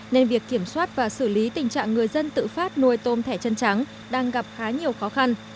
nên việc kiểm soát và xử lý tình trạng người dân tự phát nuôi tôm thẻ chân trắng đang gặp khá nhiều khó khăn